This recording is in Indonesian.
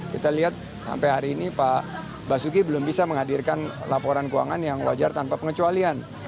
kita lihat sampai hari ini pak basuki belum bisa menghadirkan laporan keuangan yang wajar tanpa pengecualian